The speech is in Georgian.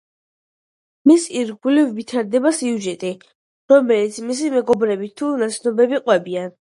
მის ირგვლივ ვითარდება სიუჟეტი, რომელსაც მისი მეგობრები თუ ნაცნობები ყვებიან.